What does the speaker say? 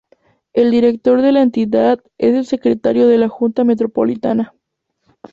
El director de la entidad es el Secretario de la Junta Metropolitana.